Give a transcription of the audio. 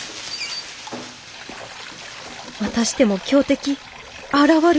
またしても強敵現る！